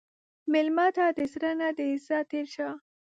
مېلمه ته د زړه نه د عزت تېر شه.